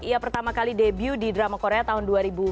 ia pertama kali debut di drama korea tahun dua ribu empat belas